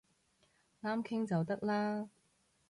啱傾就得啦